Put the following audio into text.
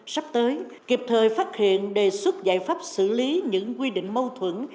sắp tới kịp thời phát hiện đề xuất giải pháp xử lý những quy định mâu thuẫn